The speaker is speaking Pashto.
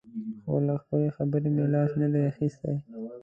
خو له خپلې خبرې مې لاس نه دی اخیستی.